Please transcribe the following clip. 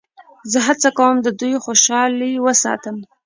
زه هڅه کوم د دوی خوشحالي وساتم.